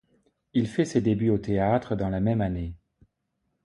Il fait ses débuts au théâtre dans la même année.